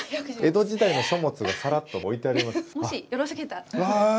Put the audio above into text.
江戸時代の書物がさらっと置いてあります。